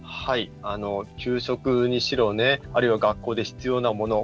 給食にしろあるいは学校で必要なもの